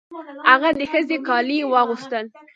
هغه د ښځې کالي یې واغوستل.